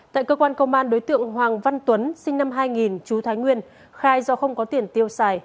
tại cơ quan công an đối tượng hoàng văn tuấn sinh năm hai nghìn chú thái nguyên khai do không có tiền tiêu xài